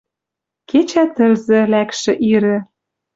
Кечӓ тӹлзӹ, лӓкшӹ ирӹ